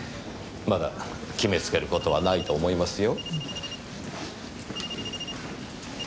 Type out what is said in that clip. まだ決めつける事はないと思いますよ。